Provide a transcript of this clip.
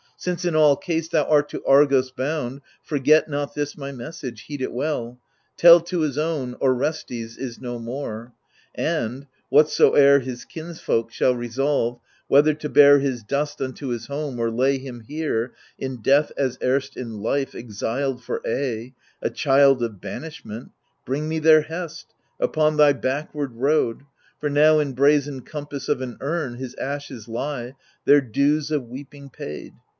Since in all case thou art to Argos bound. Forget not this my message, heed it well. Tell to his own, Orestes is no inore. And — whatsoe'er his kinsfolk shall resolve, Whether to bear his dust unto his home, Or lay him here, in death as erst in life Exiled for aye, a child of banishment — Bring me their best, upon thy backward road ; For now in brazen compass of an urn His ashes lie, their dues of weeping paid."